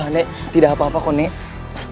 nek tidak apa apa kok nek